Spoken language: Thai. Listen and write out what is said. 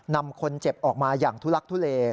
นำคนเจ็บออกมาอย่างทุลักทุเล